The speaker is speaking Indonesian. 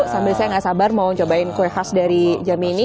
sambil saya gak sabar mau cobain kue khas dari jam mie ini